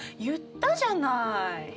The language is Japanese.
言ったじゃない。